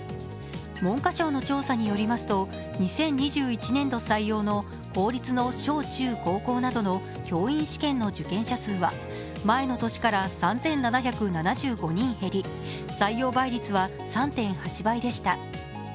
文科省の調査によりますと、２０２１年度採用の公立の小中高校などの教員試験の受験者数は前の年から３７７５人減り採用倍率は３．８倍でした。